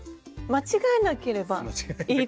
間違えなければ。